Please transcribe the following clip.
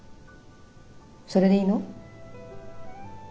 それでいいの？